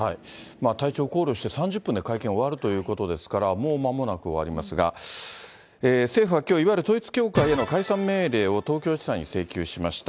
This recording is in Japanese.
体調を考慮して３０分で会見が終わるということですから、もうまもなく終わりますが、政府はきょう、いわゆる統一教会への解散命令を東京地裁に請求しました。